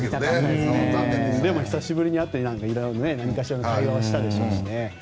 でも久しぶりに会って何かしらの会話はしたでしょうしね。